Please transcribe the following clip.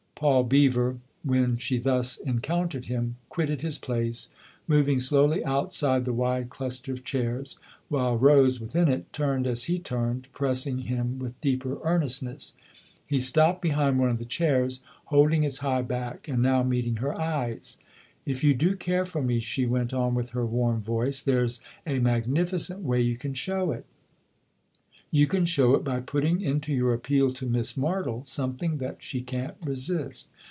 Paul Beever, when she thus encountered him, quitted his place, moving slowly outside the wide cluster of chairs, while Rose, within it, turned as he turned, pressing him with deeper earnestness. He stopped behind one of the chairs, holding its high back and now 142 THE OTHER HOUSE meeting her eyes. " If you do care for me," she went on with her warm voice, " there's a magnificent way you can show it. You can show it by putting into your appeal to Miss Martle something that she can't resist."